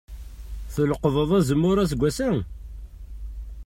Tleqḍeḍ azemmur aseggas-a?